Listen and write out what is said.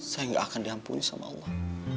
saya gak akan diampuni sama allah